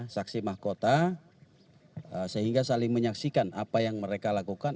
saksi mahkota sehingga saling menyaksikan apa yang mereka lakukan